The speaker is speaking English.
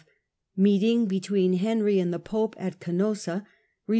THE MEETma BETWEEN HENRY AND THE POPE AT CANOSSA.